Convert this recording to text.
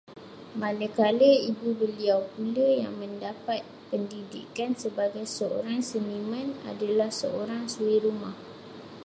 Manakala ibu beliau pula yang mendapat pendidikan sebagai seorang seniman, adalah seorang suri rumah